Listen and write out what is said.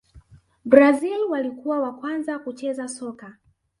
brazil walikuwa wa kwanza kucheza soka